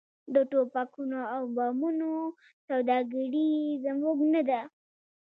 د ټوپکونو او بمونو سوداګري یې زموږ نه ده.